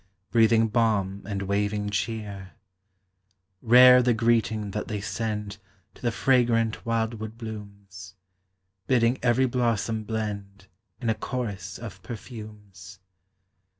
Breathing balm and waving cheer; Rare the greeting that they send To the fragrant wildwood blooms, Bidding every blossom blend In a chorus of perfumes.